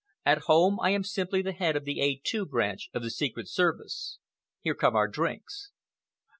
At home, I am simply the head of the A2 Branch of the Secret Service. Here come our drinks."